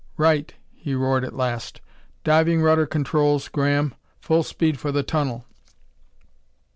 "Right!" he roared at last. "Diving rudder controls, Graham! Full speed for the tunnel!"